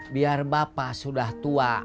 biar bapak sudah tua